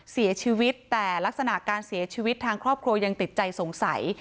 เสียชีวิตแต่ลักษณะการเสียชีวิตทางครอบครัวยังติดใจสงสัย